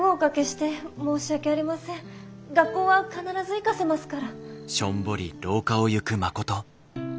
学校は必ず行かせますから。